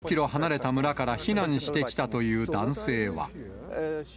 ブロバルイから３０キロ離れた村から避難してきたという男性は。